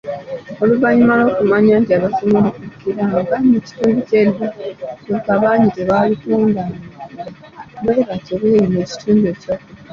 Oluvannyuma lw’okumanya nti abaasumulukukiranga mu kitundu ky’eddwaliro ekisooka, bangi tebaalutondanga, bwe batyo beeyuna ekitundu ekyokubiri.